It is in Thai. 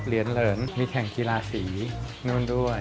เหรียญเหลือนมีแข่งกีฬาสีนู่นด้วย